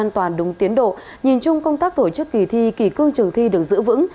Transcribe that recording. trong công tác tổ chức kỳ thi kỳ cương trường thi được giữ vững